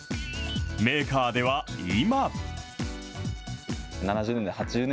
メーカーでは今。